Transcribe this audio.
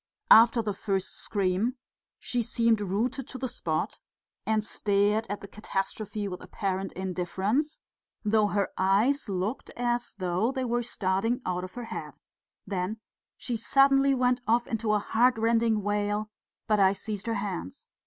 After the first scream she seemed rooted to the spot, and stared at the catastrophe with apparent indifference, though her eyes looked as though they were starting out of her head; then she suddenly went off into a heart rending wail, but I seized her hands.